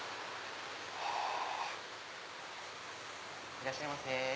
いらっしゃいませ。